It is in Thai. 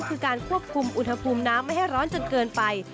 คือการควบคุมอุณหภูมิน้ำไม่ให้ร้อนจนเกินไป